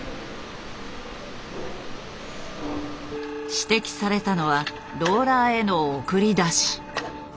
指摘されたのはローラーへの送り出し。